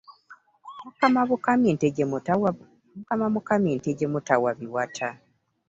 Mukama bukami nte gye mutawa biwata.